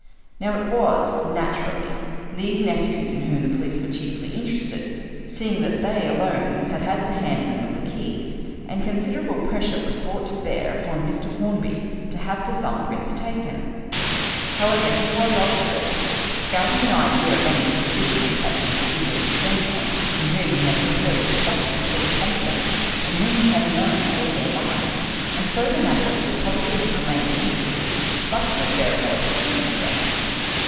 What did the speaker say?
Now it was, naturally, these nephews in whom the police were chiefly interested, seeing that they alone had had the handling of the keys, and considerable pressure was brought to bear upon Mr. Hornby to have the thumb prints taken. "However, he was obdurate, scouting the idea of any suspicion attaching to either of the gentlemen in whom he had reposed such complete confidence and whom he had known all their lives, and so the matter would probably have remained a mystery but for a very odd circumstance.